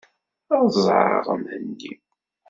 Ad ẓẓɛeɣ Mhenni.